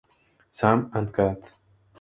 Sam and cat